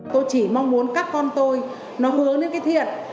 tôi chỉ mong muốn các con tôi nó hướng đến cái thiện